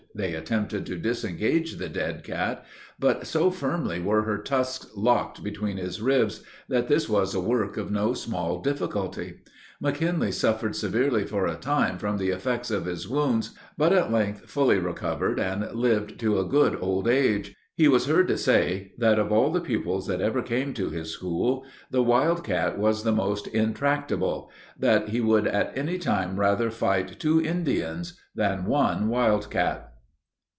They attempted to disengage the dead cat; but so firmly were her tusks locked between his ribs, that this was a work of no small difficulty. McKinley suffered severely for a time from the effects of his wounds, but at length fully recovered, and lived to a good old age. He was heard to say, that of all the pupils that ever came to his school, the wildcat was the most intractable; that he would at any time rather fight two Indians than one wildcat.